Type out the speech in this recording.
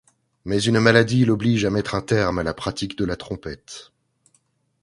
Mais une maladie l'oblige à mettre un terme à la pratique de la trompette.